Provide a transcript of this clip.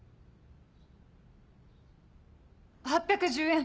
８１０円。